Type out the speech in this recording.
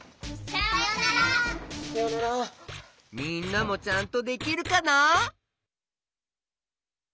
みんなもちゃんとできるかな？